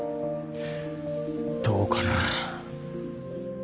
どうかな。